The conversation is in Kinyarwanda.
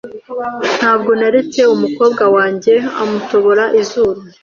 Ntabwo naretse umukobwa wanjye amutobora izuru .